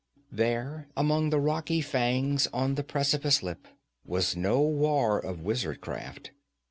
There among the rocky fangs on the precipice lip was no war of wizard craft.